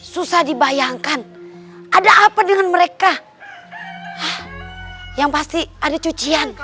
susah dibayangkan ada apa dengan mereka yang pasti ada cucian